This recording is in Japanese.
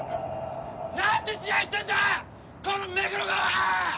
何て試合してんだこの目黒川は！